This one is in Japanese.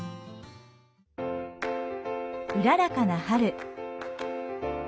うららかな春。